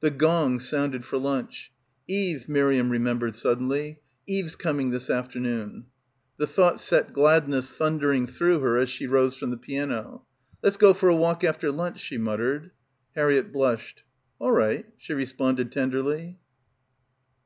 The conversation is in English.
The gong sounded for lunch. "Eve," Miriam remembered suddenly, "Eve's coming this afternoon." The thought set gladness thundering through her as she rose from the piano. "Let's go for a walk after lunch," she muttered. Harriett blushed. "Awri," she responded tenderly.